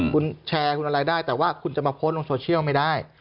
คุณแชร์คุณอะไรได้แต่ว่าคุณจะมาโพสต์ลงโซเชียลไม่ได้